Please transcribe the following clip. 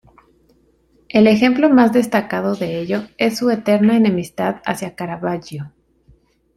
El ejemplo más destacado de ello es su eterna enemistad hacia Caravaggio.